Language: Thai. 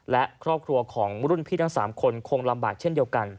และครอบครัวของรุ่นพี่ทั้ง๓คนคงลำบากเช่นเดียวกัน